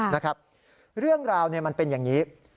นะครับเรื่องราวมันเป็นอย่างนี้